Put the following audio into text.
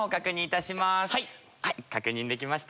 確認できました。